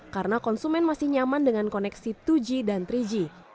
karena konsumen masih nyaman dengan koneksi dua g dan tiga g